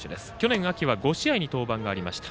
去年、秋は５試合に登板がありました。